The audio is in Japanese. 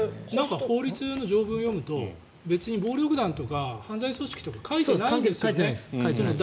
法律の条文を読むと別に暴力団とか犯罪組織とか書いてないんですね。